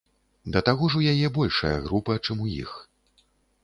Да таго ж, у яе большая група, чым у іх.